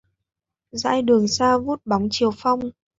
Dãi đường xa vút bóng chiều phong